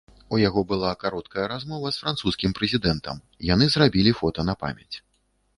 У яго была кароткая размова з французскім прэзідэнтам, яны зрабілі фота на памяць.